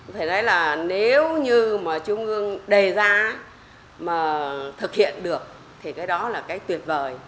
phải nói là nếu như mà trung ương đề ra mà thực hiện được thì cái đó là cái tuyệt vời